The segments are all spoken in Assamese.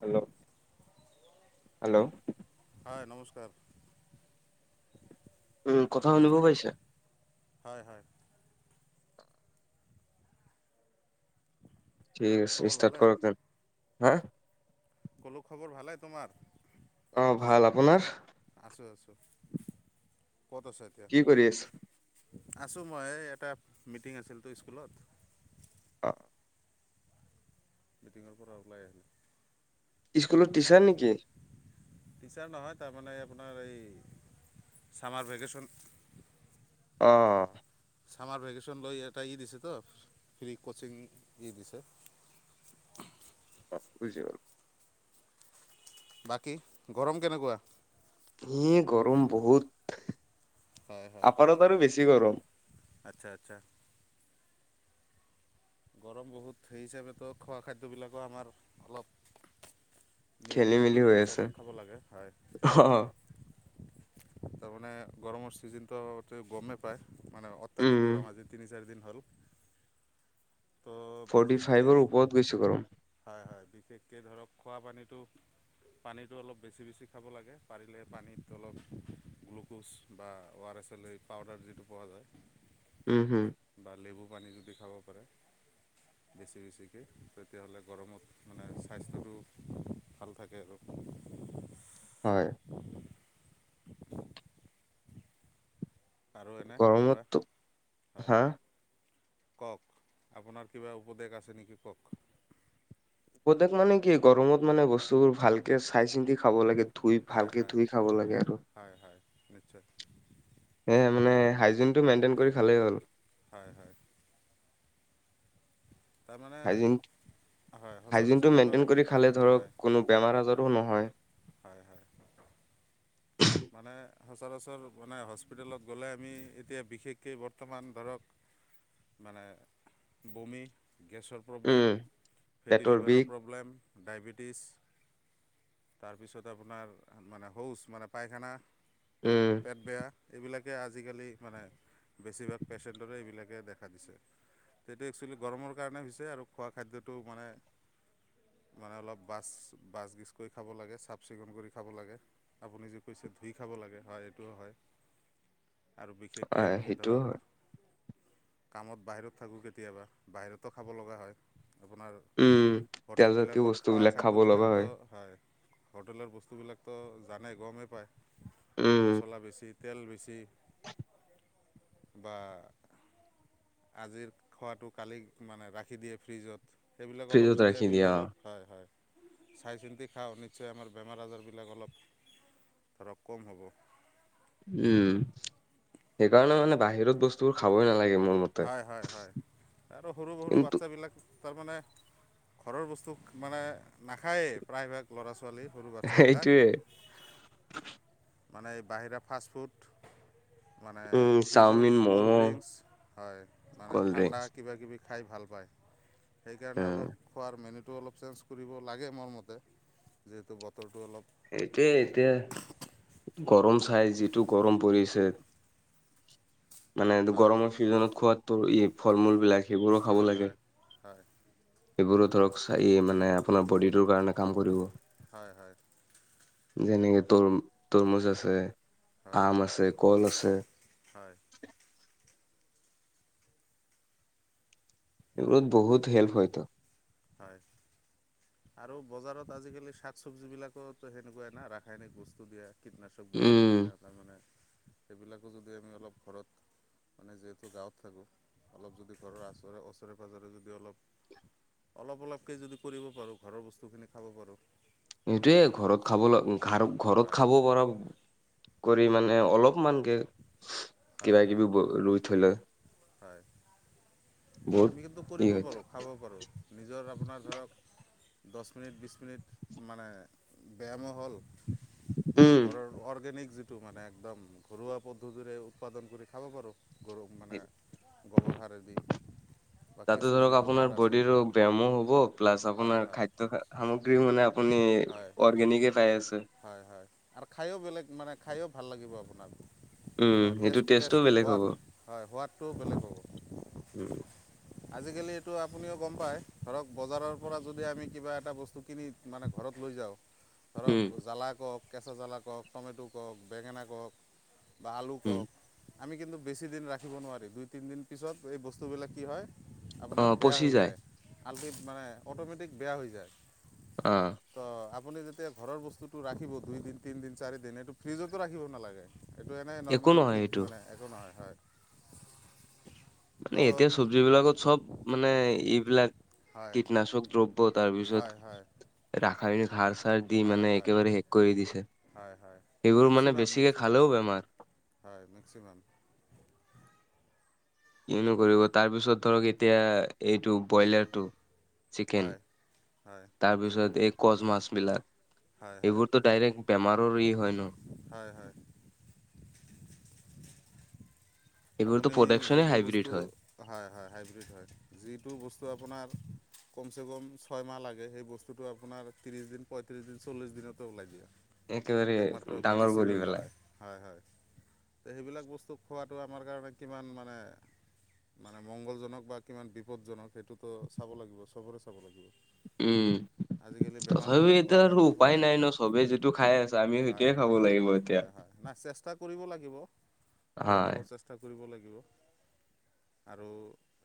হেল্ল' হেল্ল' হয় নমস্কাৰ। উম কথা শুনিবও পাইছে। হয় হয় ঠিক আছে খবৰ ষ্টাৰ্ট ভালে কৰক হা কলো খবৰ ভালে তোমাৰ অ ভাল। আপোনাৰ? আছোঁ আছোঁ। ক'ত আছা এতিয়া কি কৰি আছ? আছোঁ মই এই এটা মিটিং আছিলতো স্কুলত অ মিটিঙ পৰাবলাই ন [unintelligible] স্কুলৰ এনে পিছে টিচাৰ নেকি? পিচাৰ নহয় তাৰ আপোনাৰ হেই চামাৰ ভেকেশচন। অ ছামাৰ ভেকেশ্যন লৈ এটা ই দিছে তো ফ্ৰী কোচিং ই দিছে। [inaudible] বুজিল [unintelligible] বাকী গৰম কেনেকুৱা? এ গৰম বহুত। হয় হয় আপাৰত আৰু বেছি গৰম। আচ্ছা আচ্ছা গৰম বহুত সেই হিচাপতো খোৱা খাদ্যবিলাকো আমাৰ অলপ, খেলি নিয়মীয়া মেলি মানে হৈ আছে হিচাপত খাব লাগে হয়। অ তাৰমানে গৰমৰ ছিজনটো অ গৰমেই পায় মানে উম অত্যাধিক গৰম আজি তিনি চাৰি দিন। আৰু ফৰ্টি ফাইভৰ ওপৰত গৈছোঁ গৰম হয় হয় বিশেষকৈ ধৰক খোৱা পানীটো পানীটো অলপ বেছি বেছি খাব লাগে পাৰিলে পানীত অলপ গ্লুক'জ বা ও আৰ পাচলি পাউদাৰ যিটো পোৱা যায় উম হম বা লেবু পানী যদি খাব। পাৰে [inaudible] বেছি বেছিকৈ তেতিয়াহ'লে গৰমত মানে স্বাস্থ্যটো ভাল থাকে আৰু হয় আৰু এনে কিবা গৰমততো হয় হা। কওক আপোনাৰ কিবা উপদেশ আছে নেকি কওক। প্ৰত্যেক মানে কি গৰমত মানে বস্তুবোৰ ভালকে চাই চিন্তি খাব লাগে ধুই হয় ভালকে ধুই খাব লাগে আৰু ্চাৰ [unintelligible] এ মানে হাইজিনটো মেইনটেইন কৰি খালেই হ'ল হয় হয়। তাৰমানে। হাইজিন হয় সচৰাচৰ হাইজিনটো ধৰক মেইনটেইন কৰি খালে হয় ধৰক কোনো বেমাৰ আজাৰো নহয়। হয় হয় মানে সচৰাচৰ মানে হস্পিটেলত গ'লে আমি এতিয়া বিশেষকৈ বৰ্তমান ধৰক মানে বমি গেছৰ উম, প্ৰব্লেম, ফেটি পেটৰ লিভাৰৰ বিষ প্ৰব্লেম, ডায়বেটিছ তাৰপিছত আপোনাৰ মানে হৌচ মানে পাইখানা মানে উম, পেট বেয়া এইবিলাক আজিকালি মানে বেছিভাগ পেচেণ্টৰে এইবিলাকে দেখা দিছে। সেইটো এক্চুৱেলি গৰমৰ কাৰণে হৈছে আৰু খোৱা খাদ্যটো মানে মানে অলপ বাছ বাছ গিচ কৰি খাব লাগে চাফ চিকুণ কৰি খাব লাগে আপুনি কছে ধুই খাব লাগে হয় এইটোও হয়। আৰু বিশেষকৈ আহ, আমি সেইটো ধৰক হয়। কামত বাহিৰত থাকো কেতিয়াবা বাহিৰতো খাব লগা হয়। উম হোটেল তেলজাতীয় বিলাকৰ খোৱা বস্তুবিলাক খাব লগা খাদ্যবিলাকতো হয় হোটেলৰ বস্তুবিলাক তো জানে গৰমেই উম, পায় মছলা বেছি তেল বেছি বা আজিৰ খোৱাটো কালি মানে ৰাখি দিয়ে ফ্ৰিজত সেইবিলাক অলপ ফ্ৰিজত যদি ৰাখি আমি দিয়া। অলপ হয় হয় চাই চিন্তি খাওঁ নিশ্চয় আমাৰ বেমাৰ আজাৰবিলাক অলপ ধৰক কম হ'ব। উম সেইকাৰণে মানে বাহিৰত বস্তুবোৰ খাবই নালাগে। মোৰ মতে। হয় হয় হয় আৰু সৰু সৰু কিন্তু বাচ্ছাবিলাক। তাৰমানে ঘৰৰ বস্তু মানে নাখায়েই প্ৰায়ভাগ ল'ৰা ছোৱালী। সৰু বাচ্ছাবিলাক এইটোৱে মানে বাহিৰা ফাষ্টফুড। মানে উম, ফ্ৰিজৰ চাওমিন, ক'ল্ড ম'ম' ড্ৰিংকচ হয় মানে কল্ড ঠাণ্ডা ড্ৰিংকচ কিবা কিবি। খাই ভাল পায় সেইকাৰণে উম, অলপ খোৱাৰ মেনুটো। টো অলপ চেঞ্জ কৰিব লাগে মোৰ মতে যিহেতু বতৰটো অলপ। সেইটোৱে এতিয়া গৰম চাই যিটো গৰম পৰিছে মানে হয় গৰমৰ ছিজনত খোৱাটো ফল মূল বিলাক সেইবোৰো খাব হয় লাগে। হয় হয় এইবোৰো ধৰক চাই মানে আপোনাৰ বডিটোৰ কাৰণে কাম কৰিব। হয় হয় যেনেকে তৰ তৰমুজ আছে হয় হয় আম আছে কল আছে। হয় এইবোৰত বহুত হেল্প হয়ত। হয় আৰু বজাৰত আজিকালি শাক চবজি বিলাকো সেনেকুৱাই না ৰাসায়নিক বস্তু দিয়া কীটনাশক বস্তু উম, দিয়া তাৰমানে সেইবিলাকো যদি আমি অলপ ঘৰত মানে যিহেতু গাঁৱত থাকোঁ অলপ যদি ঘৰৰ ওচৰে ওচৰে পাঁজৰে যদি অলপ। অলপ অলপকে যদি কৰিব পাৰো ঘৰৰ বস্তু খিনি খাব পাৰো। এইটোয়ে ঘৰত খাব ঘ ঘৰত হয় খাব পৰা। কৰি মানে অলপমানকে হয় কিবা হয় কিবি ৰুই থলে। হয় বহুত আমি কিন্তু কৰিব ই হয় পাৰোঁ খাব পাৰোঁ নিজৰ আপোনাৰ ধৰক। দহ মিনিট বিছ মিনিট মানে ব্যায়ামো। আমি উম। ঘৰৰ অৰ্গেনিক যিটো মানে এক ঘৰুৱা পদ্ধতিৰে। উৎপাদন কৰি খাব পাৰোঁ গৰু মানে গোবৰ সাৰেদি। বা তাতো কেঁচুৰ ধৰক যিটো আপোনাৰ সাৰ আছে বডিৰ ৰ ব ব্যায়ামো হ'ব প্লাছ হয় আপোনাৰ হয় খাদ্য সামগ্ৰী মানে আনি হয় অৰ্গেনিকেই পাই আছে হয় হয় আৰু খায়ো বেলেগ মানে খায়ো ভাল লাগিব আপোনাক। উম, মানে সেইটো টেষ্ট টেষ্টো টেষ্ট বেলেগ সোৱাদ হ'ব। হয় সোৱাদটো বেলেগ হ'ব। উম আজিকালি এইটো আপুনিও গম পায় ধৰক বজাৰৰ পৰা যদি আমি কিবা এটা বস্তু। কিনি মানে ঘৰত লৈ যাওঁ ধৰক। উম, জলা কওক কেঁচা জ্বালা কওক টমেট' কওক বেঙেনা কওক বা আলু উম, কওক। আমি কিন্তু বেছিদিন ৰাখিব নোৱাৰি দুই তিনিদিন পিছত এই বস্তুবিলাক কি হয়। আপোনাৰ অ', বেয়া পচি হৈ যায় আল্টি মানে অট'মেটিক বেয়া হৈ যায়। অ', ত আপুনি যেতিয়া ঘৰৰ বস্তু। টো ৰাখিব দুই দিন তিনদিন চাৰি দিন এইটো ফ্ৰিজতো ৰাখিব নালাগে। এইটো এনেই একো নৰ্মেলি নহয় ঠিক সেইটো। মানে একো নহয় হয়। মানে তো এতিয়া চব্জিবিলাকত চব মানে এইবিলাক হয় কীটনাশক দ্ৰব্যত। তাৰ হয় হয় পিছত ৰাসায়নিক সাৰ চাৰ দি হয় মানে হয় একেবাৰে শেষ কৰি দিছে। হয় হয় এইবোৰ মানে মেক্সিমাম বেছিকে মেক্সিমাম খালেও বেমাৰ। হয় মেক্সিমাম। কিনো নোকৰিব তাৰপিছত ধৰক এতিয়া এইটো বইলাৰটো। চিকেন হয় হয় তাৰপিছত এই কচ মাছ বিলাক। হয় হয় এইবোৰতো ডাইৰেক্ট বেমাৰৰ ই হয় ন। হয় হয় এইবোৰতো আপুনি প্ৰডাকচনে যিটো হাইব্ৰীড বস্তু হয় হয় হয় হাইব্ৰীড হয় যিটো বস্তু আপোনাৰ। কমচে কম ছয় মাহ লাগে সেই বস্তুটো আপোনাৰ ত্ৰিছ দিন পঁয়ত্ৰিছ দিন চল্লিছ দিনতো ওলাই দিয়ে। একেবাৰে একমাত্ৰ ডাঙৰ কৰি মেডিচিনৰ পেলাই দ্বাৰাই হয় হয়ো সেইবিলাক বস্তু খোৱাটো আম। আমাৰ কাৰণে কিমান মানে মানে মংগলজনক বা কিমান বিপদজনক। সেইটোতো চাব লাগিব চবৰে চাব লাগিব। উম। আজিকালি তথাপিও বেমাৰবিলাক খোৱা এতিয়া খাদ্যৰ উপায় পৰাই নাই ন চবেই যিটো খাই আছে আমি হয় সেইটোৱে খাব লাগিব এতিয়া। হয় হয় নাই চেষ্টা কৰিব লাগিব অলপ হয় হ'লেও চেষ্টা কৰিব লাগিব। আৰু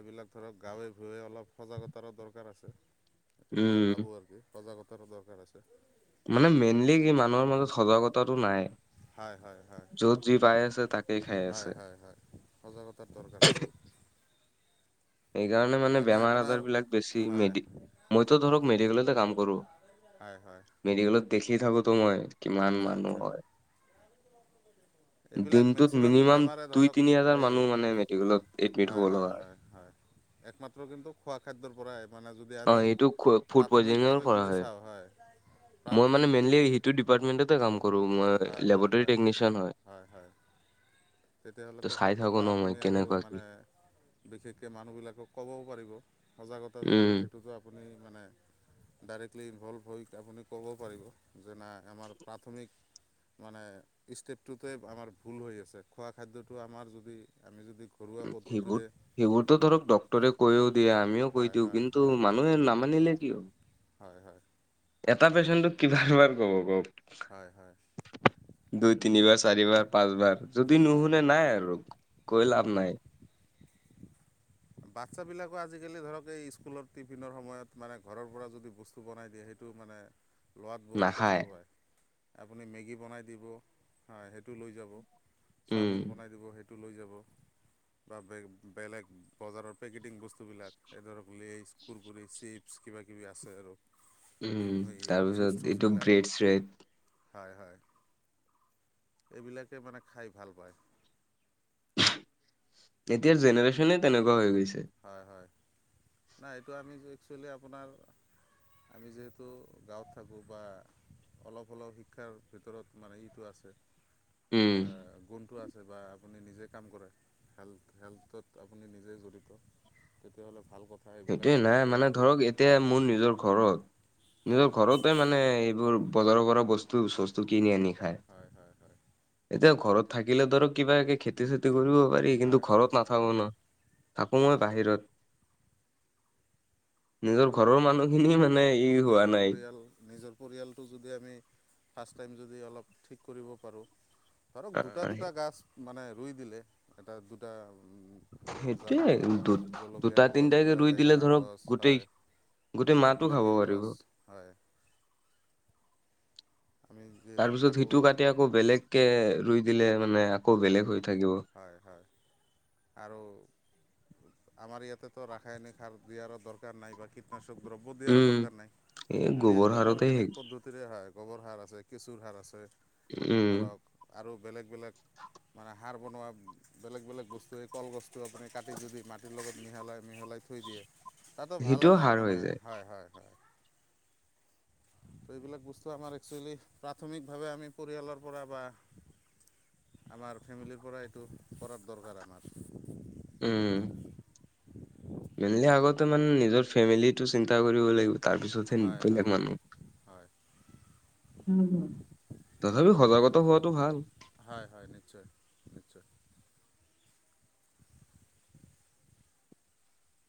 এইবিলাক ধৰক গাঁৱে ভূঞে অলপ সজাগতাৰো দৰকাৰ আছে। এইটো মই উম ভাবো আৰু কি সজাগতাৰো দৰকাৰ আছে। মানে মেইনলি মানুহৰ মাজত সজাগতাটো নাই। হয় হয় হয় য'ত যি পাই আছে তাকেই খাই হয় আছে। হয় হয় সজাগতাৰ দৰকাৰ আছে। সেইকাৰণে মানে এনে বেমাৰ আপোনাৰ আজাৰ বিলাক বেছি হয় মেডি মইতো ধৰক মেডিকেলতে কাম কৰো। হয় হয় মেডিকেলত দেখি থাকো তো মই কিমান আচ্ছা মানুহ আচ্ছা হয়। এইবিলাক দিনটোত মেক্সিমাম মিনিমাম বেমাৰে দুই ধৰক তিনি হাজাৰ এই মানুহ মানে মেডিকেলত এডমিট হ'ব লগা হয়। একমাত্ৰ কিন্তু খোৱা খাদ্যৰ পৰাই মানে যদি অ আমি। এইটো ফুড পয়জিংৰ প্ৰাথমিকভাৱে পৰা যদি হয়। চাওঁ ময় প্ৰাথমিক মানে যদি মেইনলি হেইটো ডিপাৰ্টমেণ্টতে কাম কৰোঁ। কৰো হয় মই হয় লেবৰেটৰী হয় টেকনিচিয়ান হয়। হয় ত তেতিয়াহলেতো চাই ভাল থাকো কথা ন মই আপুনি আৰু কেনেকুৱা কি মানে। বিশেষকৈ মানুহবিলাকক ক'বও পাৰিব সজাগতা উম। যিটো সেইটোতো আপুনি মানে। ডাইৰেক্টলি ইনভলভ হৈ আপুনি ক'ব পাৰিব যে ন আমাৰ প্ৰাথমিক। মানে ষ্টেপটোতে আমাৰ ভুল হৈ আছে খোৱা খাদ্যটো আমাৰ যদি আমি যদি। ঘৰুৱা প। সেইবোৰ সেইবোৰতো ধৰক ড্টৰে কৈয়ও দিয়ে আমিও কৈ হয় দিওঁ হয় কিন্তু হয় হয় মানুহে নামানিলে কি হব। হয় হয়। এটা পেচেনটো কিমানবাৰ কব কওক হয় হয় দুই তিনিবাৰ। চাৰিবাৰ পাঁচবাৰ যদি হয় নুশুনে নাই আৰু কৈ লাভ নাই। বাচ্ছ বিলাকো আজিকালি ধৰক এই স্কুলৰ টিফিনৰ সময়ত মানে ঘৰৰ পৰা যদি বস্তু বনাই দিয়ে সেইটো। টো মানে। লোৱাত বহুত কষ্ট নাখায় পায় আপুনি মেগী বনাই দিব হা সেইটো লৈ যাব। উম চাওমিন বনাই দিব সেইটো লৈ যাব বা বে বেলেগ। বজাৰৰ পেকেটিং বস্তুবিলাক এ ধৰক লেজ কুৰকুৰি চিপছ কিবাকিবি আছে আৰু। উম এই জুচ তাৰপিছত এইটো চুচবিলাক ব্ৰেড শ্ৰেড। হয় হয় এইবিলাকে মানে খাই ভাল পায়। এতিয়াৰ জেনেৰেশ্যনে তেনেকুৱা হৈ গৈছে। হয় হয় নাই এইটো আমি একচুৱেলি আপোনাৰ। আমি যিহেতু গাঁৱত থাকো বা। অলপ হ'লেপ শিক্ষাৰ ভিতৰত মানে ইটো আছে উম গুণটো আছে। বা আপুনি নিজে কাম কৰে হেল হেল্থত আপুনি নিজে জড়িত তেতিয়'লে। সেইটোৱে নাই মানে ধৰক এতিয়া মোৰ নিজৰ মানে ঘৰত। হয় নিজৰ হয় ঘৰতে মানে এইবোৰ। বজাৰৰ পৰা বস্তু চস্তু কিনি আনি খায়। হয় হয় হয় এতিয়া ঘৰত থাকিলে ধৰক কিবা কে খেতি চেতি কৰিব। পাৰি কিন্তু হয় হয় ঘৰত হয় নাথাকো হয় ন থাকো হয় মই বাহিৰত। নিজৰ সেইটোৱে ঘৰৰ আমাৰ মানুহখিনি মানে ই হয় হোৱা নিজৰ নাই পৰিয়াল নিজৰ পৰিয়ালটো যদি আমি। ফাৰ্ষ্ট টাইম যদি অলপ ঠিক কৰিব পাৰোঁ ধৰক দুটা আহ দুটা গছ মানে। ৰুই দিলে এটা দুটা। সেইটোৱেই মানে দু দুটা জলকীয়াৰ গছ তিনটাকে দুটা ৰুই দিলে বেঙেনাৰ ধৰক গছ গোটেই হয় গোটেই দুটা মাহটো খাব বিলাহীৰ পাৰিব গছ হয়। আমি তাৰ যিহেতু পিছত থাকোঁ সিটো কাটি আকৌ বেলেগকে ৰুই দিলে। মানে আকৌ হয় বেলেগ হৈ থাকিব। হয় হয় আমাৰ ইয়াতেতো ৰাসায়নিক সাৰ দিয়াৰো দৰকাৰ নাই বা কীটনাশক [inaudible] [unintelligible] দ্ৰব্য দিয়াৰো উম দৰকাৰ নাই এই আমি গোবৰ একদম সাৰতে সেই অৰ্গেনিক পদ্ধতিৰে হয় [inaudible] গোবৰ সাৰ আছে, কেঁচুৰ সাৰ আছে। উম [unintelligible] বেলেগ-বেলেগ মানে [inaudible] সাৰ বনোৱা বেলেগ-বেলেগ বস্তু এই কলগছটো আপুনি কাটি যদি মাটিৰ লগত মিহলাই-মিহলাই থৈ দিয়ে। তাতো ভাল সেইটোও এটা সাৰ হৈ মানে যায় হয়-হয়-হয়। ত' এইবিলাক বস্তু আমাৰ একচুৱেলি প্ৰাথমিকভাৱে আমি পৰিয়ালৰ পৰা বা। আমাৰ ফেমিলিৰ পৰা এইটো কৰাৰ দৰকাৰ আমাৰ। উম। মেইনলি আগতে মানে নিজৰ ফেমিলিটো চিন্তা কৰিব লাগিব। তাৰপিছত হেন হয় হয় বেলেগ মানুহ। হয় তথাপি সজাগতা হোৱাতটো ভাল। হয়-হয়, নিশ্চয়-নিশ্চয়।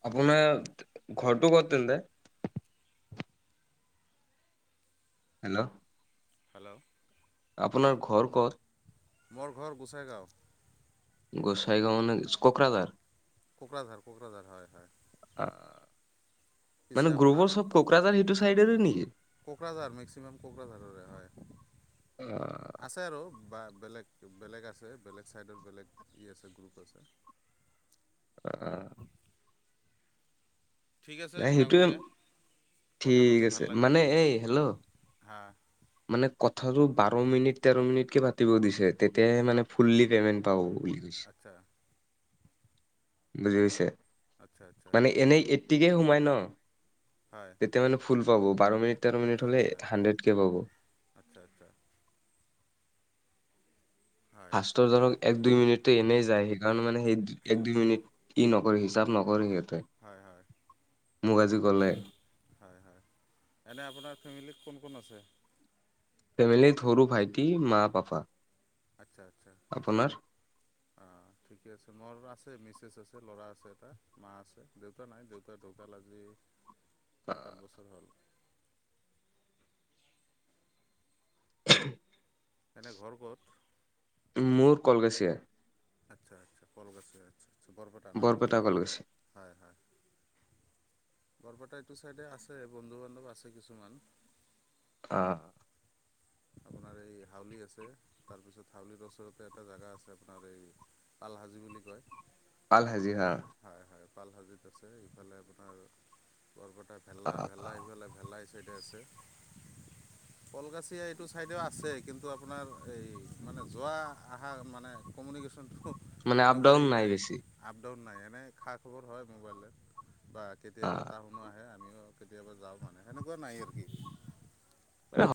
আপোনাৰ ঘৰটো কত তেন্তে। হেল্ল'। হেল্ল'। আপোনাৰ ঘৰ ক'ত? মোৰ ঘৰ গোসাইগাঁও [inaudible] গোসাইগাঁও মানে কোকৰাঝাৰ কোকৰাঝাৰ-কোকৰাঝাৰ, হয়-হয়। পিছে মানে আপোনাৰ গ্ৰোবৰ চব কোকৰাঝাৰ সেইটো চাইডৰে নেকি? কোকৰাঝাৰ মেক্সিমাম কোকৰাঝাৰৰে হয় আহ আছে আৰু বা। বেলেগ-বেলেগ আছে বেলেগ ছাইডত বেলেগ ই আছে গ্ৰুপ আছে। আহ। ঠিক আছে নাই সেইটোৱেই ডাঙৰীয়া কথা ঠিক পাতি আছে ভাল লাগিল মানে এই হেল্ল'। হা মানে কথাটো বাৰ মিনিট, তেৰ মিনিটকে পাতিব দিছে তেতিয়াহে মানে ফুল্লি পেমেন্ পাব। বুলি কৈছে। আচ্ছা বুজি পাইছে আচ্ছা আচ্ছা মানে এনেই। গতিকেই সোমাই ন। হয় তেতিয়া মানে ফুল পাব বাৰ মিনিট তেৰ মিনিট হলে হাড্ৰেড কে পাব। আচ্ছা-আচ্ছা। ফাষ্টৰ ধৰক এক দুই মিনিট এনেই যায়হি। সেইকাৰণে মানে সেই এক দুই মিনিট ই নকৰে হিচাপ নকৰে হয় হয় সিহ। মোক আজি কলে। এনেই আপোনাৰ ফেমিলী কোন-কোন আছে। ফেমিলি সৰু ভাইটি, মা, পাপা। আচ্ছা-আচ্ছা আপোনাৰ অ ঠিকে আছে মোৰ আ। আ মিছেছ আছে ল'ৰা আছে এটা মা আছে দেউতা নাই দেউতা ঢুকাল আজি। সাত আঠ আহ বছৰ হ'ল। [unintelligible] এনেই ঘৰ কত। মোৰ কলগছিয়া। আচ্ছা আচ্ছা কলগছি আচ্ছা আচছ বৰপেটা ন হয় হয়। বৰপেটা এইটো চাইডে আছে বন্ধু বান্ধৱ আছে কিছুমান। অহ। আপোনাৰ এই হাউলি আছে তাৰপিছত হাউলিৰ ওচৰতে এটা জেগা আছে আপোনাৰ এই। পাল হাজি বুলি কয়। আল হাজি হা। পাল হাজিত আছে ইফালে আপোনাৰ। বৰপেটা ভেলা ভেলা আহ এইফাললে ভেলাই চাইডে আছে। [inaudible] কলগাছিয় এইটো চাইডেও আছে কিন্তু আপোনাৰ এই মানে যোৱা অহা মানে ক কমউনিকেশ্যন। মানে আপ ডাউন নাই বেছি। মানে খা খবৰ হয় মোবাইলত বা কেতিয়াবা তাহ আহ শুনো আহে। আমিও কেতিয়াবা যাওঁ মানে হেনেকুৱা নাই আৰু কি